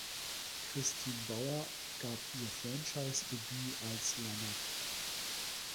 Kristin Bauer gab ihr Franchise-Debüt als Laneth.